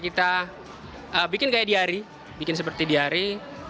kita bikin kayak di hari bikin seperti di hari